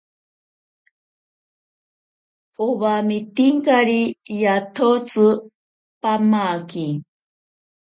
Owametinkari yatsoti pamaki.